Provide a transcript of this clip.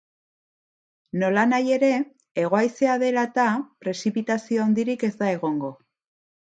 Nolanahi ere, hego haizea dela eta, prezipitazio handirik ez da egongo.